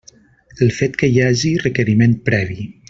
El fet que hi hagi requeriment previ.